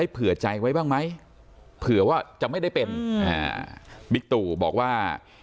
เผื่อว่าจะไม่ได้เป็นบิ๊กตูบอกว่า